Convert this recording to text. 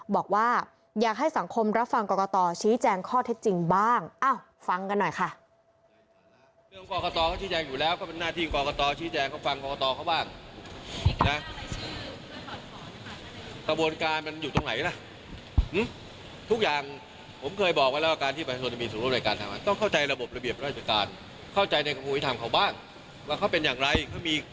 บอกว่าอยากให้สังคมรับฟังกรกตชี้แจงข้อเท็จจริงบ้างฟังกันหน่อยค่ะ